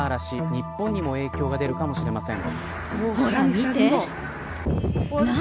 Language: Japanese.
日本にも影響が出るかもしれません。